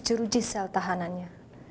jurujis sel tahanannya